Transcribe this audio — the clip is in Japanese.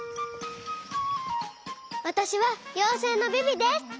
わたしはようせいのビビです！